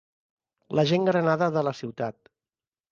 La gent granada de la ciutat.